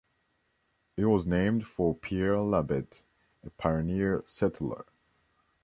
It was named for Pierre Labette, a pioneer settler.